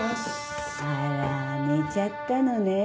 あら寝ちゃったのね。